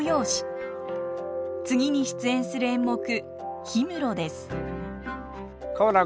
次に出演する演目「氷室」です。